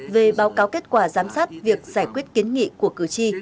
về báo cáo kết quả giám sát việc giải quyết kiến nghị của cử tri